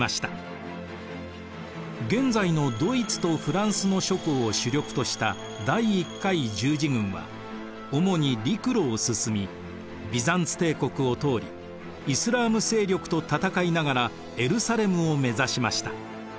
現在のドイツとフランスの諸侯を主力とした第１回十字軍は主に陸路を進みビザンツ帝国を通りイスラーム勢力と戦いながらエルサレムを目指しました。